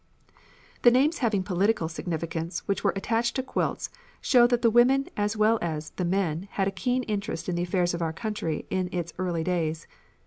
The names having political significance, which were attached to quilts, show that the women as well as the men had a keen interest in the affairs of our country in its earlier days.